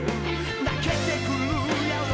「泣けてくるやろ」